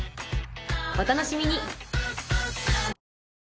お楽しみに。